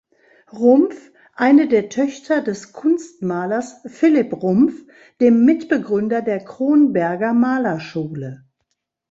Rumpf, eine der Töchter des Kunstmalers Philipp Rumpf, dem Mitbegründer der Kronberger Malerschule.